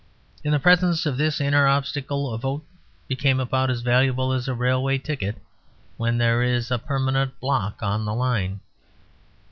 In the presence of this inner obstacle a vote became about as valuable as a railway ticket when there is a permanent block on the line.